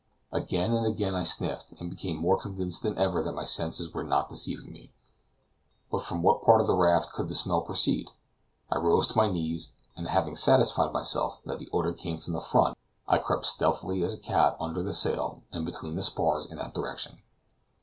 Again and again I sniffed, and became more convinced than ever that my senses were not deceiving me. But from what part of the raft could the smell proceed? I rose to my knees, and having satisfied myself that the odor came from the front, I crept stealthily as a cat under the sails and between the spars in that direction.